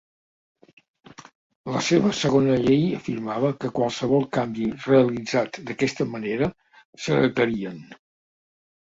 La seva segona llei afirmava que qualsevol canvi realitzat d'aquesta manera s'heretarien.